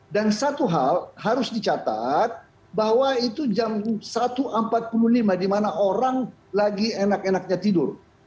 dan satu hal harus dicatat bahwa itu jam satu empat puluh lima di mana orang lagi enak enaknya tidur